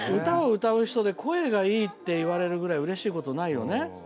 歌を歌う人で声がいいって言われるぐらいうれしいことないよね。